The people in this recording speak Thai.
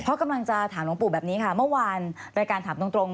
เพราะกำลังจะถามหลวงปู่แบบนี้ค่ะเมื่อวานรายการถามตรง